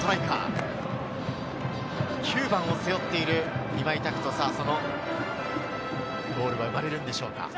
９番を背負っている今井拓人、そのゴールは生まれるんでしょうか。